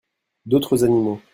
D'autres animaux.